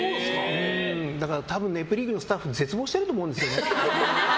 だから「ネプリーグ」のスタッフ絶望してると思うんですよ。